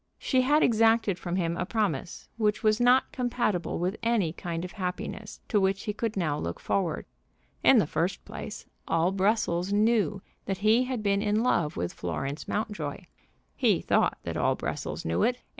She had exacted from him a promise which was not compatible with any kind of happiness to which he could now look forward. In the first place, all Brussels knew that he had been in love with Florence Mountjoy. He thought that all Brussels knew it.